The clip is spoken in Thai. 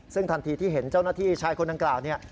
ซึ่งทันทีที่เห็นเจ้าหน้าที่ชายคนด้านกลาง